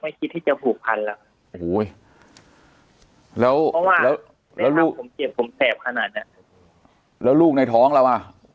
ไม่คิดที่จะผูกพันธ์แล้วเพราะว่าผมเจ็บผมแสบขนาดนี้แล้วลูกในท้องแล้วว่ะ